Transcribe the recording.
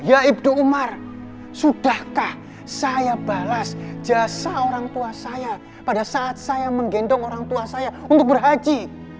ya ibdu umar sudahkah saya balas jasa orang tua saya pada saat saya menggendong orang tua saya untuk berhaji